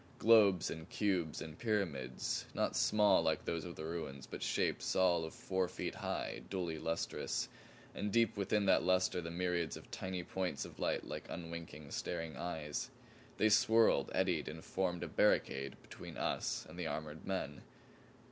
Globes and cubes and pyramids not small like those of the ruins, but shapes all of four feet high, dully lustrous, and deep within that luster the myriads of tiny points of light like unwinking, staring eyes. They swirled, eddied and formed a barricade between us and the armored men.